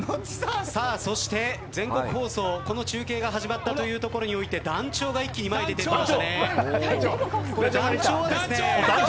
そして全国放送この中継が始まったということで団長が前に出てきましたね。